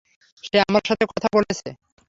সে আমার সাথে কথা বলেছে।